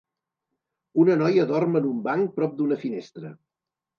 Una noia dorm en un banc prop d'una finestra.